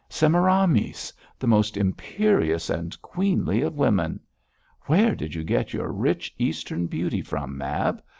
Semiramis! the most imperious and queenly of women. Where did you get your rich eastern beauty from, Mab?